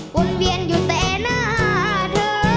วนเวียนอยู่แต่หน้าเธอ